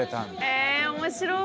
え面白い。